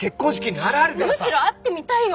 むしろ会ってみたいよ